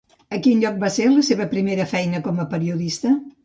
A quin lloc va ser la seva primera feina com a periodista?